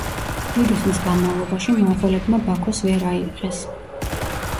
დიდი ხნის განმავლობაში მონღოლებმა ბაქოს ვერ აიღეს.